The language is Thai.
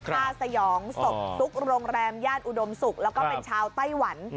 ฆ่าสยองศพซุกโรงแรมย่านอุดมศุกร์แล้วก็เป็นชาวไต้หวัน